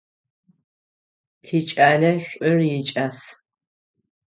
Тикӏалэ шӏур икӏас.